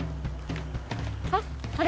あっ！